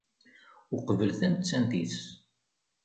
Uqbel tamettant-is.